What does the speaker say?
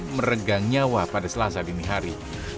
meregang nyawa pada selasa dini hari